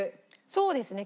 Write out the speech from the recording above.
そうですね。